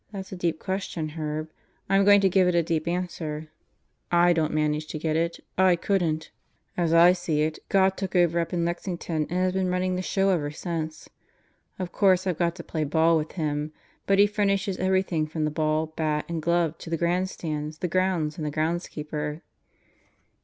"That's a deep question, Herb. I'm going to give it a deep answer. / don't manage to get it. I couldn't. As I see it, God took over up in Lexington and has been running the show ever since. Of course I've got to play ball with Him. But He furnishes every thing from the ball, bat, and glove to the grandstands, the grounds, and the groundskeeper."